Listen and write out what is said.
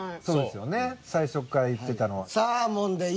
そうですよね最初から言ってたのは。